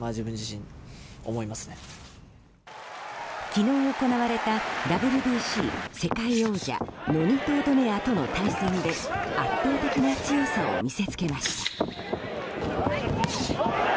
昨日行われた、ＷＢＣ世界王者ノニト・ドネアとの対戦で圧倒的な強さを見せつけました。